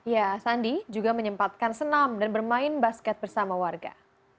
ya sandi juga menyempatkan senam dan bermain basket bersama warga